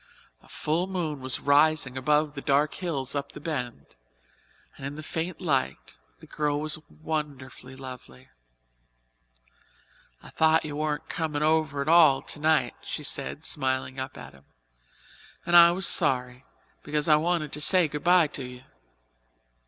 A full moon was rising above the dark hills up the Bend and in the faint light the girl was wonderfully lovely. "I thought you weren't comin' over at all tonight," she said, smiling up at him, "and I was sorry, because I wanted to say goodbye to you."